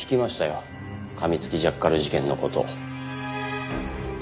かみつきジャッカル事件の事。